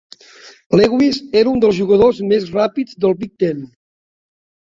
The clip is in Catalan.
Lewis era un dels jugadors més ràpids del Big Ten.